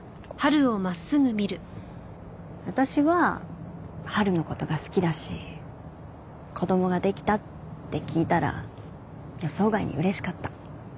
私は春の事が好きだし子供ができたって聞いたら予想外に嬉しかった。